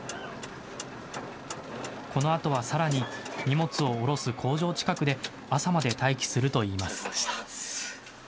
このあとはさらに、荷物を降ろす工場近くで朝まで待機するといいます。